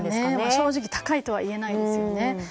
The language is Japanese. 正直高いとは言えないですよね。